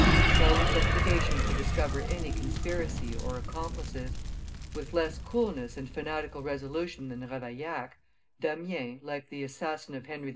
No investigation could discover any conspiracy or accomplices; with less coolness and fanatical resolution than Ravaillac, Damiens, like the assassin of Henry IV.